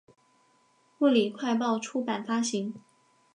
物理快报出版发行。